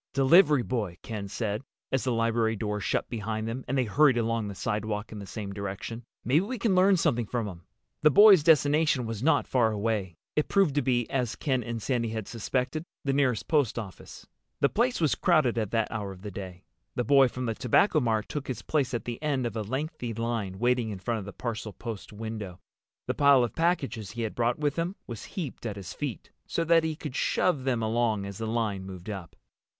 "Delivery boy," Ken said, as the library door shut behind them and they hurried along the sidewalk in the same direction. "Maybe we can learn something from him." The boy's destination was not far away. It proved to be—as Ken and Sandy had suspected—the nearest post office. The place was crowded at that hour of the day. The boy from the Tobacco Mart took his place at the end of a lengthy line waiting in front of the parcel post window. The pile of packages he had brought with him was heaped at his feet, so that he could shove them along as the line moved up.